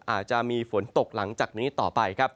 อาจจะมีฝนตกหลังจากนี้ต่อไปครับ